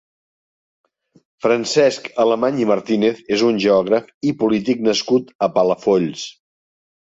Francesc Alemany i Martínez és un geogràf i polític nascut a Palafolls.